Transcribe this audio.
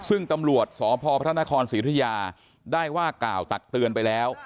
ซึ่งตำรวจสพพระนครศรีธุยาได้ว่ากล่าวตักเตือนไปแล้ว